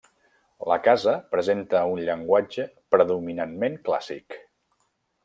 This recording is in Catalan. La casa presenta un llenguatge predominantment clàssic.